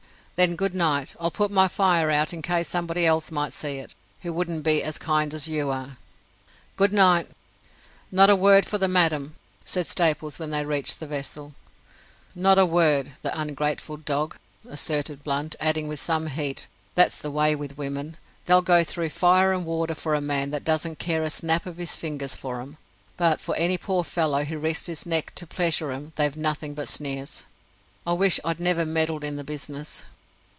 "Then good night. I'll put my fire out, in case somebody else might see it, who wouldn't be as kind as you are." "Good night." "Not a word for the Madam," said Staples, when they reached the vessel. "Not a word, the ungrateful dog," asserted Blunt, adding, with some heat, "That's the way with women. They'll go through fire and water for a man that doesn't care a snap of his fingers for 'em; but for any poor fellow who risks his neck to pleasure 'em they've nothing but sneers! I wish I'd never meddled in the business."